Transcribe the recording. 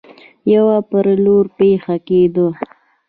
يوه پر لور پښه کيښوده.